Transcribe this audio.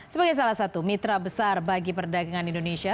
sebagai salah satu mitra besar bagi perdagangan indonesia